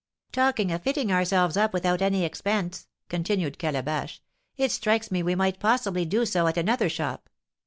"Talking of fitting ourselves up without any expense," continued Calabash, "it strikes me we might possibly do so at another shop.